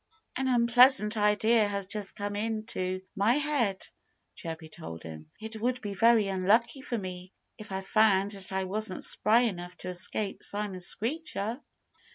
"An unpleasant idea has just come into my head," Chirpy told him. "It would be very unlucky for me if I found that I wasn't spry enough to escape Simon Screecher!"